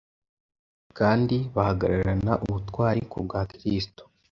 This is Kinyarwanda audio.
kandi bahagararana ubutwari kubwa Kristo.